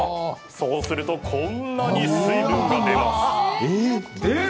そうするとこんなに水分が出ます。